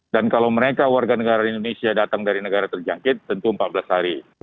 dan kalau mereka warga negara indonesia datang dari negara terjangkit tentu empat belas hari